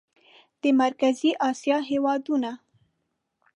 د مرکزي اسیا هېوادونه